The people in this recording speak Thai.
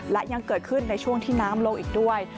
และยังเกิดขึ้นในช่วงที่น้ำลงอีกด้วย